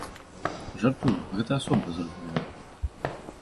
Жартую, гэта асоба, зразумела.